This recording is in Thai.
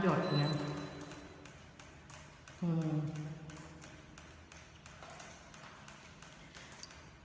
เช็คดูซะอันนี้งานใครเป็นมือใคร